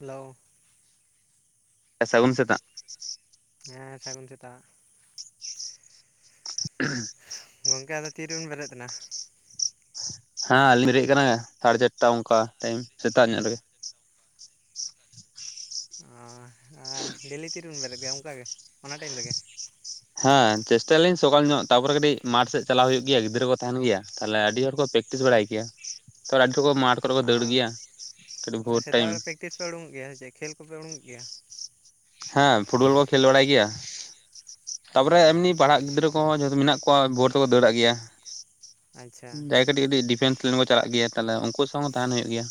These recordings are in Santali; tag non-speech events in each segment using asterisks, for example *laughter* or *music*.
ᱦᱮᱞᱳ᱾ ᱦᱮᱸ ᱥᱟᱹᱜᱩᱱ ᱥᱮᱛᱟᱜ᱾ ᱦᱮᱸ ᱥᱟᱹᱜᱩᱱ ᱥᱮᱛᱟᱜ᱾ *inaudible* ᱜᱚᱝᱠᱮ ᱟᱫᱚ ᱛᱤᱨᱮᱵᱮᱱ ᱵᱮᱨᱮᱫ ᱮᱱᱟ? ᱦᱮᱸ ᱟᱹᱞᱤᱧ ᱵᱮᱨᱮᱫ ᱠᱟᱱᱟ ᱥᱟᱲᱮ ᱪᱟᱨᱴᱟ ᱚᱱᱠᱟ ᱴᱟᱭᱤᱢ ᱥᱮᱛᱟᱜ ᱧᱚᱜ ᱨᱮᱜᱮ᱾ ᱚ ᱰᱮᱞᱤ ᱛᱤᱨᱮᱵᱮᱱ ᱵᱮᱨᱮᱫ ᱜᱮᱭᱟ ᱚᱱᱠᱟᱜᱮ ᱚᱱᱟ ᱴᱟᱭᱤᱢ ᱨᱮᱜᱮ? ᱦᱮᱸ ᱪᱮᱥᱴᱟᱭᱟᱞᱤᱧ ᱥᱚᱠᱟᱞ ᱧᱚᱜ ᱛᱟᱯᱚᱨᱮ ᱠᱟᱹᱴᱤᱡ ᱢᱟᱴ ᱥᱮᱫ ᱪᱟᱞᱟᱜ ᱦᱩᱭᱩᱜ ᱜᱮᱭᱟ ᱜᱤᱫᱽᱨᱟᱹ ᱠᱚ ᱛᱟᱦᱮᱱ ᱜᱮᱭᱟ ᱛᱟᱦᱞᱮ ᱟᱹᱰᱤ ᱦᱚᱲ ᱠᱚ ᱯᱮᱠᱴᱤᱥᱼᱼ ᱯᱮᱠᱴᱤᱥ ᱵᱟᱲᱟᱭ ᱜᱮᱭᱟ ᱛᱚ ᱟᱹᱰᱤ ᱦᱚᱲ ᱠᱚ ᱢᱟᱴᱷ ᱠᱚᱨᱮ ᱠᱚ ᱫᱟᱹᱲ ᱜᱮᱭᱟ ᱠᱟᱹᱴᱤᱡ ᱵᱷᱳᱨ ᱴᱟᱭᱤᱢᱼᱼ ᱯᱮᱠᱤᱥ ᱯᱮ ᱩᱰᱩᱠᱚᱜ ᱜᱮᱭᱟ ᱪᱮ ᱠᱷᱮᱞ ᱠᱚᱯᱮ ᱩᱰᱩᱠᱚᱜ ᱜᱮᱭᱟ᱾ ᱦᱮᱸ ᱯᱷᱩᱴᱵᱚᱞ ᱠᱚ ᱠᱷᱮᱞ ᱵᱟᱲᱟᱭ ᱜᱮᱭᱟ ᱚ ᱛᱟᱯᱚᱨᱮ ᱮᱢᱱᱤ ᱯᱟᱲᱦᱟᱸᱜ ᱜᱤᱫᱽᱨᱟᱹ ᱠᱚᱼᱼ ᱠᱚᱦᱚ ᱢᱮᱱᱟᱜ ᱠᱚᱣᱟ ᱵᱷᱳᱴ ᱫᱮᱠᱚ ᱫᱟᱹᱲᱟᱜ ᱜᱮᱭᱟ᱾ ᱟᱪᱪᱷᱟ ᱠᱟᱹᱴᱤᱡ ᱠᱟᱹᱴᱤᱡ ᱰᱤᱯᱷᱮᱱᱥ ᱞᱟᱭᱤᱱ ᱠᱚ ᱪᱟᱞᱟᱜ ᱜᱮᱭᱟ ᱛᱟᱦᱚᱞᱮ ᱩᱱᱠᱩ ᱥᱟᱶ ᱦᱚᱸ ᱛᱟᱦᱮᱱ ᱦᱩᱭᱩᱜ ᱜᱮᱭᱟ᱾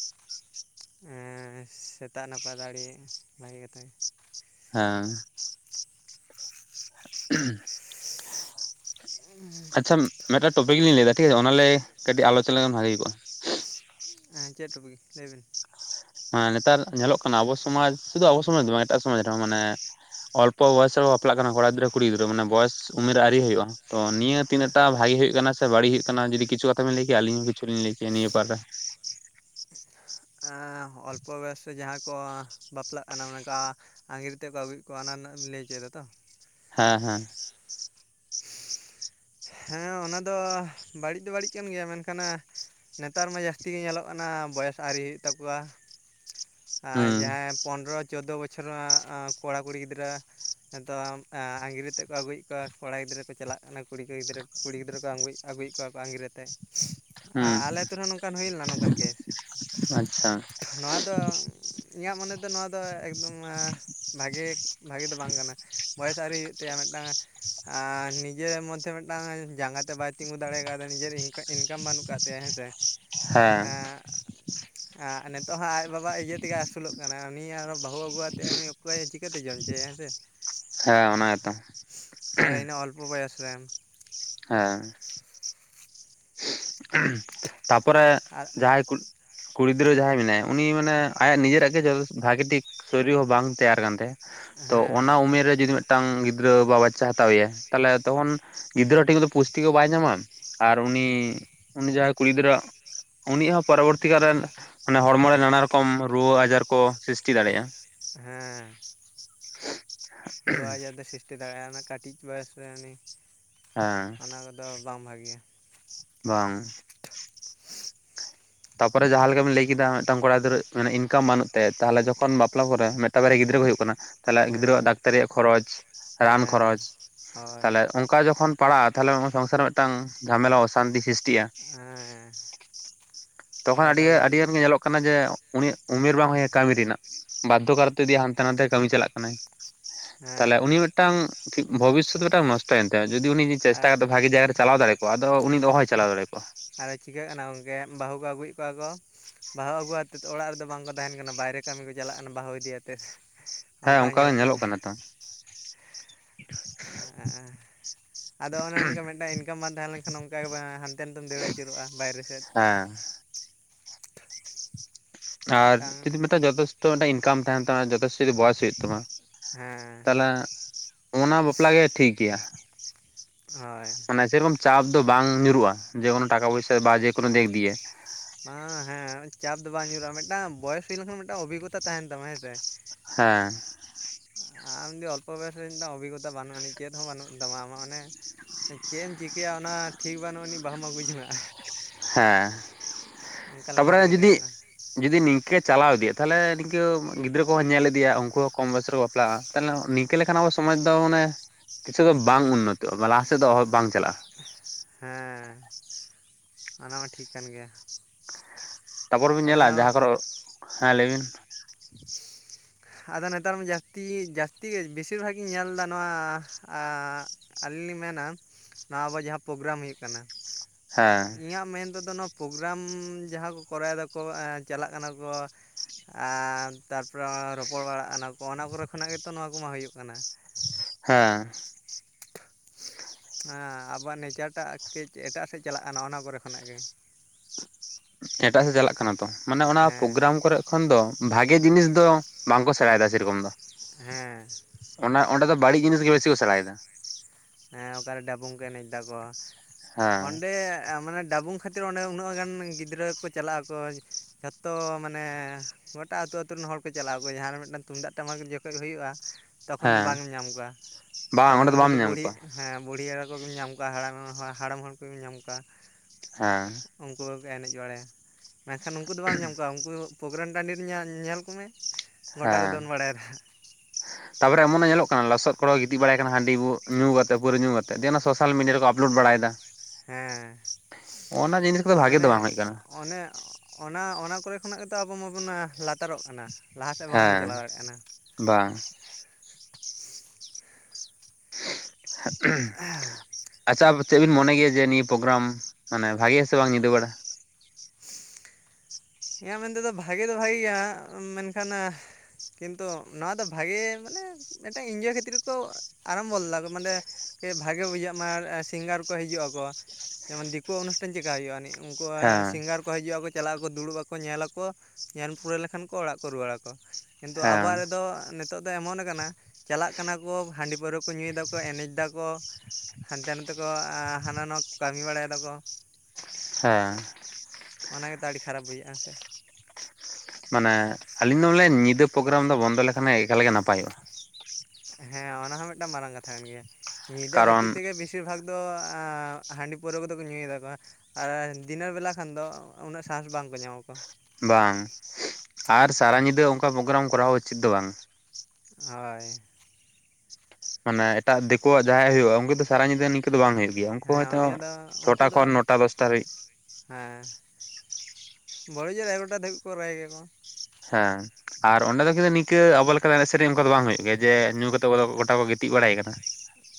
ᱮᱜ ᱥᱮᱛᱟᱜ ᱱᱟᱯᱟᱭ ᱫᱟᱹᱲᱮ ᱵᱷᱟᱜᱮ ᱠᱟᱛᱷᱟ ᱜᱮ᱾ ᱦᱮᱸ᱾ *unintelligible* ᱟᱪᱪᱷᱟ ᱢᱤᱫᱴᱟᱝ ᱴᱚᱯᱤᱠ ᱞᱤᱧ ᱞᱟᱹᱭᱫᱟᱼᱼ ᱴᱷᱤᱠ ᱟᱪᱷᱮ ᱚᱱᱟᱞᱤᱭᱟ ᱠᱟᱹᱴᱤᱡ ᱟᱞᱚᱪᱚᱱᱟ ᱞᱮᱠᱷᱟᱱ ᱵᱷᱟᱜᱮ ᱠᱚᱜᱼᱟ᱾ ᱦᱮᱸ ᱪᱮᱫ ᱴᱩᱯᱤᱠ ᱞᱟᱹᱭ ᱵᱤᱱ᱾ ᱮ ᱱᱮᱛᱟᱨ ᱧᱮᱞᱚᱜ ᱠᱟᱱᱟ ᱟᱵᱚ ᱥᱚᱢᱟᱡᱽ ᱥᱩᱫᱩ ᱟᱵᱚ ᱥᱚᱢᱟᱡᱽ ᱫᱚ ᱵᱟᱝ ᱮᱴᱟᱜ ᱥᱚᱢᱟᱡᱽ ᱨᱮᱦᱚᱸ ᱢᱟᱱᱮᱼᱼ ᱚᱞᱯᱚ ᱵᱚᱭᱮᱥ ᱨᱮᱠᱚ ᱵᱟᱯᱞᱟᱜ ᱠᱟᱱᱟ ᱠᱚᱲᱟ ᱜᱤᱫᱽᱨᱟᱹ ᱠᱩᱲᱤ ᱜᱤᱫᱽᱨᱟᱹ ᱢᱟᱱᱮ ᱵᱚᱭᱮᱥ ᱩᱢᱮᱨ ᱟᱹᱣᱨᱤ ᱦᱩᱭᱩᱜᱼᱟ ᱛᱚ ᱱᱤᱭᱟᱹᱼᱼ ᱛᱤᱱᱟᱜᱴᱟ ᱵᱷᱟᱜᱤ ᱦᱩᱭᱩᱜ ᱠᱟᱱᱟ ᱥᱮ ᱵᱟᱹᱲᱤᱡ ᱦᱩᱭᱩᱜ ᱡᱩᱫᱤ ᱠᱤᱪᱷᱩ ᱠᱟᱛᱷᱟ ᱵᱮᱱ ᱞᱟᱹᱭᱠᱮᱭᱟ ᱟᱞᱤᱧ ᱦᱚᱸ ᱠᱤᱪᱷᱩᱤ ᱞᱟᱹᱭ ᱠᱮᱭᱟ ᱱᱤᱭᱟᱹᱯᱟᱨᱴᱟ᱾ ᱚᱞᱯᱚ ᱵᱚᱭᱚᱥ ᱨᱮ ᱡᱟᱦᱟᱸ ᱠᱚ ᱵᱟᱯᱞᱟᱜ ᱠᱟᱱᱟ ᱚᱱᱠᱟᱼᱼ ᱟᱝᱜᱤᱨ ᱛᱮᱫ ᱠᱚ ᱟᱹᱜᱩᱭᱮᱫ ᱠᱚᱣᱟ ᱚᱱᱟ ᱨᱮᱱᱟᱜ ᱮᱢ ᱞᱟᱹᱭ ᱚᱪᱚᱭᱮᱫᱟ ᱛᱚ? ᱦᱮᱸ ᱦᱮᱸ᱾ ᱦᱮᱸ ᱚᱱᱟ ᱫᱚ ᱵᱟᱹᱲᱤᱡ ᱫᱚ ᱵᱟᱹᱲᱤᱡ ᱠᱟᱱ ᱜᱮᱭᱟ ᱢᱮᱱᱠᱷᱟᱱ ᱼᱼ ᱱᱮᱛᱟᱨ ᱢᱟ ᱡᱟᱹᱥᱛᱤ ᱜᱮ ᱧᱮᱞᱚᱜ ᱠᱟᱱᱟ ᱵᱚᱭᱮᱥ ᱟᱹᱣᱨᱤ ᱦᱩᱭᱩᱜ ᱛᱟᱠᱚᱣᱟ᱾ ᱟᱨ ᱦᱩᱸ ᱡᱟᱦᱟᱸᱭ ᱯᱚᱱᱨᱚ ᱪᱳᱫᱽᱫᱳ ᱵᱚᱪᱷᱚᱨ ᱨᱮᱱᱟᱜ ᱠᱚᱲᱟᱼ ᱠᱩᱲᱤ ᱜᱤᱫᱽᱨᱟᱹᱼᱼ ᱱᱤᱛᱚᱝ ᱟᱝᱜᱤᱨᱛᱮᱫ ᱠᱚ ᱟᱹᱜᱩᱭᱮᱫ ᱠᱚᱣᱟ ᱠᱚᱲᱟ ᱜᱤᱫᱽᱨᱟᱹ ᱠᱚ ᱪᱟᱞᱟᱜ ᱠᱟᱱᱟ ᱠᱩᱲᱤ ᱠᱚ ᱜᱤᱫᱽᱨᱟᱹᱼᱼ ᱠᱩᱲᱤ ᱜᱤᱫᱽᱨᱟᱹᱠᱚ ᱟᱜᱩᱭ ᱟᱹᱜᱩᱭᱮᱫ ᱠᱚᱣᱟ ᱟᱸᱜᱤᱨ ᱠᱟᱛᱮ᱾ ᱟᱨ ᱦᱩᱸ ᱟᱞᱮ ᱟᱹᱛᱩ ᱨᱮᱦᱚ ᱱᱚᱝᱠᱟᱱ ᱦᱩᱭ ᱞᱮᱱᱟ ᱱᱚᱝᱠᱟᱱ ᱠᱮᱥ᱾ ᱟᱪᱪᱷᱟ ᱱᱚᱣᱟ ᱫᱚᱼᱼ ᱤᱧᱟᱹᱜ ᱢᱚᱱᱮ ᱫᱚ ᱱᱚᱣᱟ ᱫᱚ ᱮᱠᱫᱚᱢ ᱵᱷᱟᱜᱮ ᱵᱷᱟᱜᱮ ᱫᱚ ᱵᱟᱝ ᱠᱟᱱᱟ᱾ ᱵᱚᱭᱮᱥ ᱟᱹᱣᱨᱤ ᱦᱩᱭᱩᱜ ᱛᱟᱭᱟ ᱢᱤᱫᱴᱟᱝᱼᱼ ᱟᱨ ᱱᱤᱡᱮᱨ ᱢᱚᱫᱽᱫᱷᱮ ᱢᱤᱫᱴᱟᱝ ᱡᱟᱸᱜᱟ ᱛᱮ ᱵᱟᱭ ᱛᱤᱸᱜᱩ ᱫᱟᱲᱮ ᱠᱟᱣᱫᱟ ᱱᱤᱡᱮᱨ ᱤᱱᱠᱟᱹᱼᱼ ᱤᱱᱠᱟᱢ ᱵᱟᱹᱱᱩᱜ ᱠᱟᱜ ᱛᱟᱭᱟ ᱦᱮᱸᱥᱮ ᱦᱮᱸ ᱱᱤᱛᱚᱜ ᱦᱚᱸ ᱟᱡ ᱵᱟᱵᱟ ᱤᱭᱟᱹᱼᱼ ᱛᱮᱜᱮ ᱟᱹᱥᱩᱞᱚᱜ ᱠᱟᱱᱟ ᱩᱱᱤ ᱟᱨᱚ ᱵᱟᱹᱦᱩ ᱟᱹᱜᱩ ᱟᱛᱮᱫ ᱩᱱᱤ ᱚᱠᱚᱭ ᱪᱤᱠᱟᱹᱛᱮ ᱡᱚᱢ ᱦᱚᱪᱚᱭᱟᱭ ᱦᱮᱸ ᱥᱮ? ᱦᱮᱸ ᱚᱱᱟ ᱜᱮᱛᱚ ᱟᱨᱚ ᱤᱱᱟᱹ ᱚᱞᱯᱚ ᱵᱚᱭᱚᱥ ᱨᱮᱱ᱾ ᱦᱮᱸ᱾ ᱛᱟᱯᱚᱨᱮ ᱟᱨ ᱡᱟᱦᱟᱸᱭ ᱠᱩᱞ ᱠᱩᱲᱤ ᱜᱤᱫᱽᱨᱟᱹ ᱡᱟᱦᱟᱸᱭ ᱢᱮᱱᱟᱭᱟ ᱩᱱᱤ ᱢᱟᱱᱮ ᱟᱭᱟᱜ ᱱᱤᱡᱮᱨᱟᱜ ᱜᱮ ᱡᱚᱛᱟᱥ ᱵᱷᱟᱜᱮ ᱴᱷᱤᱠ ᱥᱚᱨᱤᱨ ᱦᱚᱸ ᱵᱟᱝ ᱛᱮᱭᱟᱨ ᱠᱟᱱ ᱛᱟᱭᱟ᱾ ᱛᱚ ᱦᱮᱸ ᱚᱱᱟ ᱩᱢᱮᱨ ᱨᱮ ᱡᱩᱫᱤ ᱢᱮᱫ ᱴᱟᱝ ᱜᱤᱫᱽᱨᱟᱹ ᱵᱟ ᱵᱟᱪᱪᱷᱟ ᱦᱟᱛᱟᱣᱮᱭᱟ ᱛᱟᱦᱚᱞᱮ ᱛᱚᱠᱷᱚᱱ ᱜᱤᱫᱽᱟᱹ ᱦᱚ ᱴᱷᱤᱠ ᱢᱚᱛᱚ ᱯᱩᱥᱴᱤ ᱠᱚ ᱵᱟᱭ ᱧᱟᱢᱟ᱾ ᱟᱨ ᱩᱱᱤ ᱩᱱᱤ ᱡᱟᱦᱟᱸᱭ ᱠᱩᱲᱤ ᱜᱤᱫᱽᱨᱟᱹᱟᱜ ᱩᱱᱤᱭᱟᱜ ᱦᱚᱸ ᱯᱚᱨᱚᱵᱚᱨᱛᱤ ᱠᱟᱞᱨᱮᱱ ᱢᱟᱱᱮ ᱦᱚᱲᱢᱚ ᱨᱮ ᱱᱟᱱᱟ ᱨᱚᱠᱚᱢ ᱨᱩᱣᱟᱹ ᱟᱡᱟᱨ ᱠᱚ ᱥᱤᱥᱴᱤ ᱫᱟᱲᱮᱜᱼᱟ᱾ ᱦᱮᱸ᱾ *inaudible* ᱨᱩᱣᱟᱹ ᱟᱡᱟᱨ ᱫᱚᱭ ᱥᱤᱥᱴᱤ ᱫᱟᱲᱮᱜᱼᱟ ᱚᱱᱟ ᱠᱟᱹᱴᱤᱡ ᱵᱚᱭᱚᱥᱨᱮ ᱩᱱᱤ ᱦᱮᱸ ᱚᱱᱟ ᱠᱚᱫ ᱫᱚ ᱵᱟᱝ ᱵᱷᱟᱜᱮᱭᱟ᱾ ᱵᱟᱝ᱾ ᱛᱟᱯᱚᱨᱮ ᱡᱟᱦᱟᱸ ᱞᱮᱠᱟ ᱵᱤᱱ ᱞᱟᱹᱭ ᱠᱮᱫᱟ ᱢᱤᱫᱴᱟᱝ ᱠᱚᱲᱟ ᱜᱤᱫᱽᱨᱟᱹ ᱢᱟᱱᱮ ᱤᱱᱠᱟᱢ ᱵᱟᱹᱱᱩᱜ ᱛᱟᱭᱟ ᱛᱟᱦᱚᱞᱮ ᱡᱚᱠᱷᱚᱱ ᱵᱟᱯᱞᱟ ᱠᱚᱨᱸ ᱢᱮᱫ ᱛᱟᱨᱯᱟᱨᱮ ᱜᱤᱫᱽᱨᱟᱹ ᱠᱚ ᱦᱩᱭᱩᱜ ᱠᱟᱱᱟ᱾ ᱛᱟᱦᱞᱮ ᱦᱮᱸ ᱜᱤᱫᱽᱨᱟᱹᱣᱟᱜ ᱰᱟᱠᱛᱟᱨᱮᱭᱟᱜ ᱠᱷᱚᱨᱚᱪ, ᱨᱟᱱ ᱦᱮᱸ ᱠᱷᱚᱨᱚᱪ ᱦᱳᱭ ᱛᱟᱦᱞᱮ ᱚᱝ ᱠᱟ ᱡᱚᱠᱷᱚᱱ ᱯᱟᱲᱟᱜ-ᱟ ᱛᱟᱦᱚᱞᱮ ᱱᱚᱣᱟᱟ ᱥᱚᱝᱥᱟᱨ ᱨᱮ ᱢᱤᱫᱴᱟᱝ ᱡᱷᱟᱢᱮᱞᱟ ᱚᱥᱟᱱᱛᱤ ᱥᱤᱥᱴᱤᱜᱼᱟ᱾ ᱦᱮᱸ᱾ ᱛᱚᱠᱷᱟᱱ ᱟᱹᱰᱤ ᱚᱥᱟᱱᱛᱤ ᱟᱹᱰᱤᱜᱟᱱ ᱜᱮ ᱧᱮᱞᱚᱜ ᱠᱟᱱᱟ ᱡᱮ ᱩᱱᱤᱭᱟᱜ ᱩᱢᱮᱨ ᱵᱟᱝ ᱦᱩᱭ-ᱭᱟ ᱠᱟᱹᱢᱤ ᱨᱮᱱᱟᱜ ᱵᱟᱫᱽᱫᱷᱚ ᱠᱟᱨᱛᱮ ᱡᱩᱫᱤ ᱦᱟᱱᱛᱮ ᱱᱟᱛᱮ ᱠᱟᱹᱢᱤ ᱪᱟᱞᱟᱜ ᱠᱟᱱᱟᱭ᱾ ᱛᱟᱦᱚᱞᱮ ᱦᱮᱸ ᱩᱱᱤ ᱢᱤᱫᱴᱟᱝ ᱯᱷᱤᱱᱵᱷᱚᱵᱤᱥᱚᱛ ᱢᱤᱫᱴᱟᱝ ᱱᱚᱥ ᱛᱮᱭᱮᱱ ᱛᱟᱭᱟ ᱡᱩᱫᱤ ᱩᱱᱤ ᱡᱮ ᱪᱮᱥᱴᱟ ᱟᱨ ᱠᱟᱛᱮᱜ ᱵᱷᱟᱜᱮ ᱡᱟᱭᱜᱟ ᱪᱟᱞᱟᱣ ᱫᱟᱲᱮ ᱠᱚᱜᱼᱟ ᱟᱫᱚ ᱩᱱᱤ ᱫᱚ ᱦᱚᱭ ᱪᱟᱞᱟᱣ ᱫᱟᱲᱮᱠᱚᱜ-ᱟ᱾ ᱟᱨᱚ ᱪᱤᱠᱟᱹᱜ ᱠᱟᱱᱟ ᱜᱚᱢᱠᱮ ᱵᱟᱹᱦᱩ ᱠᱚ ᱟᱹᱜᱩᱭᱮᱫ ᱠᱚᱣᱟ ᱠᱚ ᱵᱟᱦᱟ ᱟᱹᱜᱩ ᱟᱛᱮᱫ ᱚᱲᱟᱜ ᱨᱮᱫᱚ ᱵᱟᱝ ᱠᱚ ᱛᱟᱦᱮᱱ ᱠᱟᱱᱟ᱾ ᱵᱟᱭᱨᱮ ᱠᱟᱹᱢᱤ ᱠᱚ ᱪᱟᱞᱟᱜ ᱠᱟᱱᱟ ᱵᱟᱦᱩ ᱤᱫᱤ ᱭᱟᱛᱮᱫ᱾ ᱦᱮᱸ ᱚᱱᱠᱟ ᱜᱮ ᱧᱮᱞᱚᱜ ᱠᱟᱱᱟ᱾ *unintelligible* *unintelligible* ᱟᱫᱚ ᱚᱱᱮ ᱚᱱᱠᱟ ᱢᱤᱫᱴᱟᱝ ᱤᱱᱠᱟᱢ ᱵᱟᱝ ᱛᱟᱦᱮᱸ ᱞᱮᱱᱠᱷᱟᱱ ᱱᱠᱟᱢ ᱵᱟᱝ ᱦᱟᱝᱱᱛᱮ ᱵᱟᱸ ᱦᱟᱱᱛᱮ ᱱᱟᱱᱟᱛᱮᱢ ᱫᱟᱹᱲ ᱟᱹᱪᱩᱨᱚᱜᱼᱟ ᱵᱟᱭᱨᱮ ᱥᱮᱫ᱾ ᱦᱮᱸ᱾ ᱟᱨ ᱢᱤᱫᱴᱟᱝ ᱡᱩᱫᱤ ᱢᱤᱫᱴᱮᱱ ᱡᱚᱛᱷᱮᱥᱴᱚ ᱢᱤᱫᱴᱮ ᱤᱱᱠᱟᱢ ᱛᱟᱦᱮᱱ ᱛᱟᱢᱟ ᱡᱚᱛᱷᱮᱥᱴᱚ ᱡᱩᱫᱤ ᱵᱚᱭᱮᱥ ᱦᱩᱭᱩᱜ ᱛᱟᱢᱟ᱾ ᱦᱮᱸ᱾ ᱚᱱᱟ ᱚᱱᱟ ᱵᱟᱯᱞᱟ ᱜᱮ ᱴᱷᱤᱠ ᱜᱮᱭᱟ᱾ ᱦᱳᱭ ᱢᱟᱱᱮ ᱥᱮᱨᱚᱠᱚᱢ ᱪᱟᱯ ᱫᱚ ᱵᱟᱝ ᱧᱩᱨᱩᱜ-ᱟ᱾ ᱡᱮᱠᱳᱱᱳ ᱴᱟᱠᱟ ᱯᱚᱭᱥᱟ ᱵᱟ ᱡᱮ ᱠᱚᱱᱳ ᱴᱟᱠᱟ ᱯᱚᱭᱥᱟ ᱫᱚ ᱵᱟ ᱡᱮᱠᱚᱱᱳ ᱫᱤᱠ ᱫᱤᱭᱮ᱾ ᱵᱟᱝ ᱦᱮᱸ ᱪᱟᱯ ᱫᱚ ᱵᱟᱝ ᱧᱩᱨᱩᱜᱼᱟ᱾ ᱢᱤᱫᱴᱟᱝ ᱵᱚᱭᱮᱥ ᱦᱩᱭ ᱞᱮᱱᱠᱷᱟᱱ ᱢᱤᱫᱴᱟᱝ ᱚᱵᱷᱤᱜᱚᱛᱟ ᱛᱟᱦᱮᱱ ᱛᱟᱢᱟ ᱦᱮᱸ ᱥᱮ᱾ ᱦᱮᱸ᱾ ᱟᱢ ᱡᱫᱤ ᱚᱞᱯᱚ ᱵᱚᱭᱮᱥ ᱨᱮ ᱢᱤᱫᱴᱟᱱ ᱚᱵᱷᱤᱜᱚᱛᱟ ᱵᱟᱹᱱᱩᱜ ᱟᱹᱱᱤᱡ, ᱪᱮᱫ ᱦᱚᱸ ᱵᱟᱹᱱᱩᱜ ᱛᱟᱢᱟ ᱟᱢᱟᱜ ᱚᱱᱮ ᱪᱮᱫ ᱮᱢ ᱪᱤᱠᱟᱹᱭᱟ ᱚᱱᱟ ᱴᱷᱤᱠ ᱵᱟᱹᱱᱩᱜ ᱟᱹᱱᱤᱡ ᱵᱟᱦᱩᱢ ᱟᱹᱜᱩ ᱡᱚᱝᱟᱼᱟ᱾ ᱦᱮᱸ ᱞᱮᱱᱠᱷᱟᱱ ᱛᱟᱯᱚᱨᱮ ᱪᱤᱠᱟᱹᱛᱮ ᱡᱩᱫᱤ ᱜᱟᱱᱚᱜᱼᱟ ᱡᱩᱫᱤ ᱱᱤᱝᱠᱟᱹ ᱪᱟᱞᱟᱣ ᱤᱫᱤᱭᱟ ᱛᱟᱦᱞᱮ ᱱᱤᱝᱠᱟᱹ ᱜᱤᱫᱽᱨᱟᱹ ᱠᱚᱦᱚᱸ ᱧᱮᱞ ᱤᱫᱤᱭᱟ ᱩᱱᱠᱩ ᱦᱚ ᱠᱚᱢ ᱵᱚᱭᱚᱥ ᱨᱮᱠᱚ ᱵᱟᱯᱞᱟᱜᱼᱟ ᱛᱟᱦᱞᱮ ᱱᱤ ᱠᱮ ᱞᱮᱠᱷᱟᱱ ᱟᱵᱚ ᱥᱚᱢᱟᱡᱽ ᱫᱚ ᱢᱟᱱᱮ ᱠᱤᱪᱷᱩ ᱫᱚ ᱵᱟᱝ ᱩᱱᱱᱚᱛᱚᱜᱼᱟ ᱢᱟ ᱞᱟᱦᱟ ᱥᱮᱫ ᱫᱚ ᱚᱦᱚ ᱵᱟᱝ ᱪᱟᱞᱟᱜᱼᱟ᱾ ᱦᱮᱸ᱾ ᱚᱱᱟ ᱢᱟ ᱴᱷᱤᱠ ᱠᱟᱱ ᱜᱮᱭᱟ᱾ ᱛᱟᱨᱯᱚᱨ ᱵᱤᱱ ᱟᱫᱚ ᱧᱮᱞᱟ ᱡᱟᱦᱟᱸ ᱠᱚᱨᱮᱜ ᱦᱮᱸ ᱞᱟᱹᱭ ᱵᱤᱱ᱾ ᱟᱫᱚ ᱱᱮᱛᱟᱨ ᱢᱟ ᱡᱟᱹᱥᱛᱤ ᱡᱟᱹᱥᱛᱤ ᱜᱮ ᱵᱮᱥᱤᱨ ᱵᱷᱟᱜᱽ ᱤᱧ ᱧᱮᱞᱫᱟ ᱱᱚᱣᱟ ᱟ ᱟᱹᱞᱤᱧ ᱞᱤᱧ ᱢᱮᱱᱟ ᱱᱚᱣᱟ ᱟᱵᱚ ᱡᱟᱦᱟᱸ ᱯᱨᱳᱜᱨᱟᱢ ᱦᱩᱭᱩᱜ ᱠᱟᱱᱟ᱾ ᱦᱮᱸ ᱤᱧᱟᱹᱜ ᱢᱮᱱ ᱛᱮᱫᱚ ᱱᱚᱣᱟ ᱯᱨᱳᱜᱨᱟᱢ ᱡᱟᱦᱟᱸ ᱠᱚ ᱠᱚᱨᱟᱣ ᱫᱟᱠᱚ ᱮᱸ ᱪᱟᱞᱟᱜ ᱠᱟᱱᱟ ᱠᱚ᱾ ᱟᱨ ᱛᱟᱨᱯᱚᱨᱮ ᱨᱚᱯᱚᱲ ᱵᱟᱲᱟᱜ ᱚᱱᱟ ᱠᱚ ᱚᱱᱟ ᱠᱚᱨᱮ ᱠᱷᱚᱱᱟᱜ ᱜᱮᱛᱚ ᱱᱚᱣᱟ ᱠᱚᱢᱟ ᱦᱩᱭᱩᱜ ᱠᱟᱱᱟ᱾ ᱦᱮᱸ, *unintelligible* ᱦᱮᱸ ᱟᱵᱚᱟᱜ ᱱᱮᱪᱟᱨᱴᱟᱜ ᱠᱟᱹᱡ ᱮᱴᱟᱜ ᱥᱮᱫ ᱪᱟᱞᱟᱜ ᱠᱟᱱᱟ ᱚᱱᱟ ᱠᱚᱨᱮ ᱠᱷᱚᱱᱟᱜ ᱜᱮ᱾ ᱮᱴᱟᱜ ᱥᱮᱫ ᱪᱟᱞᱟᱜ ᱠᱟᱱᱟ ᱛᱚ, ᱢᱟᱱᱮ ᱚᱱᱟ ᱦᱮᱸ ᱯᱨᱳᱜᱨᱟᱢ ᱠᱚᱨᱮ, ᱠᱷᱚᱱ ᱫᱚ ᱵᱷᱟᱜᱮ ᱡᱤᱱᱤᱥ ᱫᱚ ᱵᱟᱝ ᱠᱚ ᱥᱮᱬᱟᱭᱮᱫᱟ ᱥᱮᱨᱚᱠᱚᱢ ᱫᱚ᱾ ᱦᱮᱸ ᱚᱱᱟ ᱚᱸᱰᱮ ᱫᱚ ᱵᱟᱹᱲᱤᱡ ᱡᱤᱱᱤᱥ ᱜᱮ ᱵᱮᱥᱤ ᱠᱚ ᱥᱮᱲᱟᱭᱮᱫᱟ᱾ ᱦᱮᱸ ᱚᱠᱟᱨᱮ ᱰᱟᱵᱩᱝ ᱠᱚ ᱮᱱᱮᱡ ᱛᱟᱠᱚᱭᱟ, ᱦᱮᱸ ᱚᱸᱰᱮ ᱢᱟᱱᱮ ᱰᱟᱵᱩᱝ ᱠᱷᱟᱼᱼ ᱛᱤᱨ ᱚᱸᱰᱮ ᱩᱱᱟᱹᱜ ᱜᱟᱱ ᱜᱤᱫᱽᱨᱟᱹ ᱠᱚ ᱪᱟᱞᱟᱜ ᱟᱠᱚ, ᱡᱷᱚᱛᱚ ᱢᱟᱱᱮ ᱜᱚᱴᱟ ᱟᱹᱛᱩ ᱟᱹᱛᱩ ᱨᱮᱱ ᱦᱚᱲ ᱠᱚ ᱪᱟᱞᱟᱣ ᱟᱠᱚ ᱡᱟᱦᱟᱸ ᱨᱮ ᱢᱤᱫᱴᱟᱱ ᱛᱩᱢᱫᱟᱜ ᱴᱟᱢᱟᱠ ᱡᱚᱠᱷᱮᱡ ᱦᱩᱭᱩᱜᱼᱟ᱾ ᱛᱚᱠᱷᱚᱱ ᱫᱚ ᱦᱮᱸ ᱵᱟᱝᱮᱢ ᱧᱟᱢ ᱠᱚᱣᱟ, ᱵᱟᱝ ᱛᱚᱠᱷᱚᱱ ᱚᱸᱰᱮ ᱫᱚ ᱵᱟᱢ ᱥᱩᱫᱩ ᱧᱟᱢ ᱵᱩᱲᱦᱤ ᱠᱚᱣᱟ ᱦᱮᱸ ᱵᱩᱲᱦᱤ ᱦᱚᱲ ᱠᱚᱵᱤᱱ ᱧᱟᱢ ᱠᱚᱣᱟ, ᱦᱟᱲᱟᱢ ᱦᱟᱲᱟᱢ ᱦᱚᱲ ᱠᱚᱵᱤᱱ ᱧᱟᱢ ᱠᱚᱣᱟ, ᱦᱮᱸ, ᱩᱱᱠᱩᱠᱚ ᱮᱱᱮᱡ ᱵᱟᱲᱟᱭᱟ, ᱢᱮᱱᱠᱷᱟᱱ ᱩᱱᱠᱩ ᱫᱚ ᱵᱟᱝ ᱧᱟᱢ ᱠᱚᱣᱟ ᱩᱼᱼ ᱠᱩ ᱯᱨᱳᱜᱨᱟᱢ ᱴᱟᱺᱰᱤ ᱨᱮ ᱧᱮ ᱧᱮᱞ ᱠᱚᱢᱮ ᱜᱚᱴᱟ ᱠᱚ ᱫᱚᱱ ᱵᱟᱲᱟᱭᱮᱫᱟ᱾ ᱛᱟᱯᱚᱨ ᱮᱢᱚᱱ ᱧᱮᱞᱚᱜ ᱠᱟᱱᱟ ᱞᱚᱥᱚᱫ ᱠᱚᱨᱮ ᱜᱤᱛᱤᱡ ᱵᱟᱲᱟᱭ ᱠᱟᱱᱟ ᱦᱟᱺᱰᱤ ᱵᱚ ᱧᱩ ᱠᱟᱛᱮ ᱯᱟᱹᱨᱣᱟᱹ ᱧᱩ ᱠᱟᱛᱮᱫ ᱡᱮ ᱚᱱᱟ ᱥᱳᱥᱟᱞ ᱢᱤᱰᱤᱭᱟ ᱨᱮᱠᱚ ᱟᱯᱞᱳᱰ ᱵᱟᱲᱟᱭᱮᱫᱟ ᱦᱮᱸ ᱾ *unintelligible* ᱚᱱᱟ ᱡᱤᱱᱤᱥ ᱠᱚᱫᱚ ᱵᱷᱟᱜᱮ ᱫᱚ ᱢᱟᱱᱮ ᱵᱟᱝ ᱦᱩᱭᱩᱜ ᱠᱟᱱᱟ᱾ ᱚᱱᱮ ᱚᱱᱟ ᱚᱱᱟ ᱠᱚᱨᱮ ᱠᱷᱚᱱᱟᱜ ᱜᱮᱛᱚ ᱟᱵᱚᱢ ᱢᱟᱵᱚᱱ ᱞᱟᱛᱟᱨᱚᱜ ᱠᱟᱱᱟ᱾ ᱞᱟᱦᱟ ᱥᱮᱫ ᱵᱟᱝᱵᱚᱱ ᱦᱮᱸ ᱪᱟᱞᱟᱣ ᱫᱟᱲᱮᱭᱟᱜ ᱠᱟᱱᱟ ᱵᱟᱝ, *inaudible* *unintelligible* ᱟᱪᱪᱷᱟ ᱟ ᱪᱮᱫ ᱵᱤᱱ ᱢᱚᱱᱮ ᱜᱮᱭᱟ ᱡᱮ ᱱᱤᱭᱟᱹ ᱯᱨᱳᱜᱨᱟᱢ ᱢᱟᱱᱮ ᱵᱷᱟᱜᱮᱭᱟ ᱥᱮ ᱵᱟᱝ ᱧᱤᱫᱟᱹ ᱵᱟᱲᱟ? *unintelligible* ᱮᱭᱟ ᱩᱱᱤ ᱛᱮᱫᱚ ᱵᱷᱟᱜᱮ ᱫᱚ ᱵᱷᱟᱜᱮᱭᱟ, ᱢᱮᱱᱠᱷᱟᱱ ᱠᱤᱱᱛᱩ ᱱᱚᱣᱟ ᱫᱚ ᱵᱷᱟᱜᱮ ᱢᱟᱱᱮ ᱢᱤᱫᱴᱟᱝ ᱤᱱᱡᱚᱭ ᱠᱷᱟᱹᱛᱤᱨ ᱠᱚ ᱟᱨᱟᱢᱵᱚ ᱞᱮᱫᱟ ᱠᱚ, ᱢᱟᱱᱮ, ᱠᱮ ᱵᱷᱟᱜᱮ ᱵᱩᱡᱷᱟᱹᱜ ᱢᱟ ᱥᱤᱝᱜᱟᱨ ᱠᱚ ᱦᱤᱡᱩᱜ ᱟᱠᱚ, ᱡᱮᱢᱚᱱ ᱫᱤᱠᱩ ᱚᱱᱩᱥᱴᱷᱟᱱ ᱪᱮᱠᱟ ᱦᱩᱭᱩᱜᱼᱟ ᱟᱹᱱᱤᱡ, ᱩᱱᱠᱩ ᱦᱮᱸ ᱥᱤᱝᱜᱟᱨ ᱠᱚ ᱦᱤᱡᱩᱜ ᱟᱠᱚ ᱪᱟᱞᱟᱜ ᱟᱠᱚ ᱫᱩᱲᱩᱵ ᱟ, ᱠᱚ ᱧᱮᱞᱟᱠᱚ ᱧᱮᱞ ᱯᱩᱨᱟᱹᱣ ᱞᱮᱠᱷᱟᱱ ᱠᱚ ᱚᱲᱟᱜ ᱠᱚ ᱨᱩᱣᱟᱹᱲᱟᱠᱚ, ᱠᱤᱱᱛᱩ ᱦᱮᱸ ᱟᱵᱚᱣᱟᱜ ᱨᱮᱫᱚ ᱱᱤᱼᱼ ᱛᱚᱜ ᱫᱚ ᱮᱢᱚᱱ ᱟᱠᱟᱱᱟ ᱪᱟᱞᱟᱜ ᱠᱟᱱᱟ ᱠᱚ ᱦᱟᱺᱰᱤ ᱯᱟᱹᱣᱨᱟᱹ ᱠᱚ ᱧᱩᱭ ᱫᱟᱠᱚ ᱮᱱᱮᱡ ᱫᱟᱠᱚ, ᱦᱟᱱᱛᱮ ᱱᱟᱛᱮ ᱠᱚ ᱦᱟᱱᱟ ᱱᱚᱣᱟ ᱠᱟᱹᱢᱤ ᱵᱟᱲᱟᱭᱟᱠᱚ, ᱦᱮᱸ, ᱚᱱᱟ ᱜᱮᱛᱚ ᱟᱹᱰᱤ ᱠᱷᱟᱨᱟᱯ ᱦᱩᱭᱩᱜᱼᱟ ᱦᱮᱸ ᱥᱮ *inaudible* ᱢᱟᱱᱮ ᱟᱞᱤᱧ ᱫᱚ ᱵᱚᱞᱮ ᱧᱤᱫᱟᱹ ᱯᱨᱳᱜᱨᱟᱢ ᱫᱚ ᱵᱚᱱᱫᱚ ᱞᱮᱠᱷᱟᱱ ᱮᱠᱟᱞᱜᱮ ᱱᱟᱯᱟᱭᱚᱜᱼᱟ᱾ ᱦᱮᱸ ᱚᱱᱟ ᱦᱚᱸ ᱢᱤᱫᱴᱟᱝ ᱢᱟᱨᱟᱝ ᱠᱟᱛᱷᱟ ᱠᱟᱱ ᱜᱮᱭᱟ, ᱧᱤᱫᱟᱹ ᱠᱟᱨᱚᱱ ᱠᱷᱟᱹᱛᱤᱨ ᱛᱮᱜᱮ ᱵᱮᱥᱤ ᱛᱤ ᱵᱷᱟᱜᱽ ᱫᱚ ᱦᱟᱺᱰᱤ ᱯᱟᱹᱣᱨᱟᱹ ᱠᱚᱫᱚ ᱠᱚ ᱧᱩᱭᱮᱫᱟ ᱠᱚ᱾ ᱟᱨ ᱫᱤᱱᱟᱹ ᱵᱮᱞᱟ ᱠᱷᱟᱱ ᱫᱚ ᱩᱱᱟᱹᱜ ᱥᱟᱦᱟᱹᱥ ᱵᱟᱝᱠᱚ ᱧᱟᱢᱟᱠᱚ᱾ ᱵᱟᱝ, ᱟᱨ ᱥᱟᱨᱟ ᱧᱤᱫᱟᱹ ᱚᱱᱠᱟ ᱯᱨᱳᱜᱨᱟᱢ ᱠᱚᱨᱟᱣ ᱩᱪᱤᱛ ᱫᱚ ᱵᱟᱝ᱾ ᱦᱳᱭ, ᱢᱟᱱᱮ ᱮᱴᱟᱜ ᱫᱤᱠᱩᱣᱟᱜ ᱡᱟᱦᱟᱸᱭᱟᱜ ᱦᱩᱭᱩᱜᱼᱟ, ᱩᱱᱠᱩ ᱫᱚ ᱥᱟᱨᱟ ᱧᱤᱫᱟᱹ ᱱᱤᱝᱠᱟᱹ ᱫᱚ ᱵᱟᱝ ᱦᱩᱭᱩᱜ, ᱜᱮ ᱩᱱᱠᱩ ᱦᱮᱸ ᱦᱚᱭᱛᱚ ᱩᱱᱤᱭᱟᱜ ᱫᱚ ᱪᱷᱚᱴᱟ ᱩᱱᱠᱩ ᱫᱚ ᱠᱷᱚᱱ ᱱᱚᱴᱟ ᱫᱚᱥᱴᱟᱫᱤᱡ᱾ *unintelligible* ᱦᱮᱸ, ᱵᱷᱟᱹᱲᱤᱡ ᱮᱜᱟᱨᱚᱴᱟ ᱫᱷᱟᱹᱵᱤᱡ ᱠᱚ ᱨᱟᱭ ᱜᱮᱭᱟᱠᱚ᱾ ᱦᱮᱸ, ᱟᱨ ᱚᱸᱰᱮ ᱫᱚ ᱠᱤᱱᱛᱩ *unintelligible* ᱱᱤᱝᱟᱹ ᱟᱵᱚ ᱞᱮᱠᱟ ᱮᱱᱮᱡ ᱥᱮᱨᱮᱧ ᱚᱱᱠᱟ ᱫᱚ ᱵᱟᱝ ᱦᱩᱭᱩᱜ ᱜᱮᱭᱟ ᱡᱮ ᱧᱩ ᱠᱟᱛᱮᱫ ᱜᱚᱴᱟ ᱠᱚ ᱜᱤᱛᱤᱡ ᱵᱟᱲᱟᱭ ᱠᱟᱱᱟ᱾